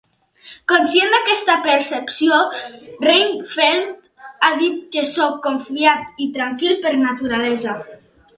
Conscient d'aquesta percepció, Reinfeldt ha dit que soc confiat i tranquil per naturalesa.